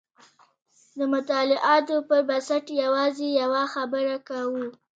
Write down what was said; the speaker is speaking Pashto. د مطالعاتو پر بنسټ یوازې یوه خبره کوو.